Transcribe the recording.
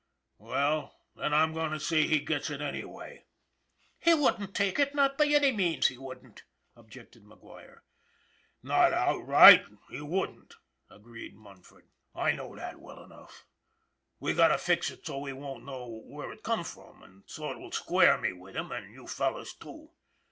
Well, then, I'm goin' to see he gets it anyway." " He wouldn't take it, not by any means, he wouldn't," objected McGuire. " Not outright, he wouldn't," agreed Munford. " I 342 ON THE IRON AT BIG CLOUD know that well enough. We got to fix it so he won't know where it come from, and so it will square me with him, and you fellows, too."